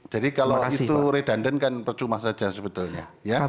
jadi kalau itu redundant kan percuma saja sebetulnya